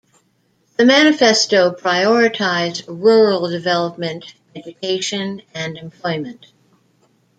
The manifesto prioritized rural development, education, and employment.